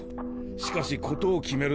しかし事を決める